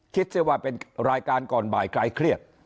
คิดสิว่าเป็นรายการก่อนบ่ายคลายเครียด